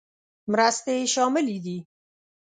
مرستې شاملې دي.